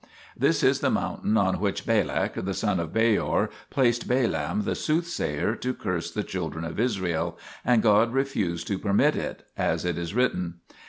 3 This is the mountain on which Balak the son of Beor placed Balaam the sooth sayer to curse the children of Israel, and God refused to permit it, as it is written.